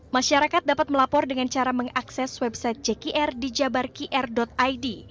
masyarakat dapat melapor dengan cara mengakses website jkr di jabarkir id